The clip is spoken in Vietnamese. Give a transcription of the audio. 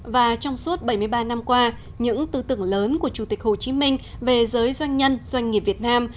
và trong suốt bảy mươi ba năm qua những tư tưởng lớn của chủ tịch hồ chí minh về giới doanh nhân doanh nghiệp việt nam